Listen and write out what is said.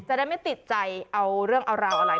จะได้ไม่ติดใจเอาเรื่องเอาราวอะไร